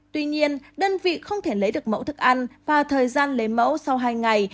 tuy nhiên đơn vị không thể lấy được mẫu thức ăn và thời gian lấy mẫu sau hai ngày